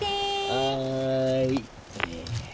はい。